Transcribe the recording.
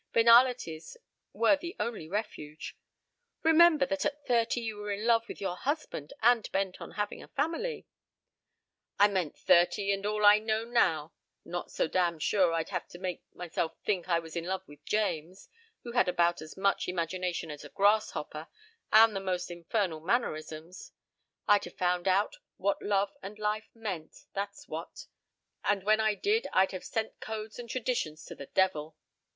Banalities were the only refuge. "Remember that at thirty you were in love with your husband and bent on having a family " "I meant thirty and all I know now. ... I'm not so damn sure I'd have tried to make myself think I was in love with James who had about as much imagination as a grasshopper and the most infernal mannerisms. I'd have found out what love and life meant, that's what! And when I did I'd have sent codes and traditions to the devil."